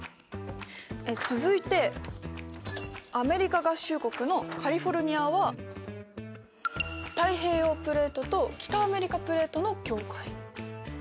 続いてアメリカ合衆国のカリフォルニアは太平洋プレートと北アメリカプレートの境界。